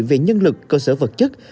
về nhân lực cơ sở vật chất